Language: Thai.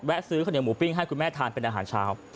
ซื้อข้าวเหนียวหมูปิ้งให้คุณแม่ทานเป็นอาหารเช้า